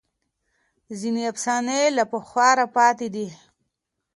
ځینې افسانې له پخوا راپاتې دي.